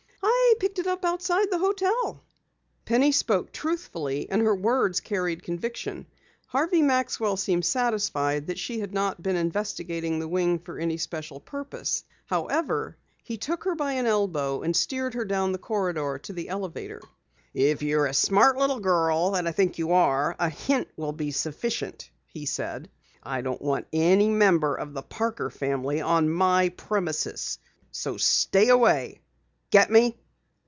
"I picked it up outside the hotel." Penny spoke truthfully and her words carried conviction. Harvey Maxwell seemed satisfied that she had not been investigating the wing for any special purpose. However, he took her by an elbow and steered her down the corridor to the elevator. "If you're the smart little girl I think you are, a hint will be sufficient," he said. "I don't want any member of the Parker family on my premises. So stay away. Get me?"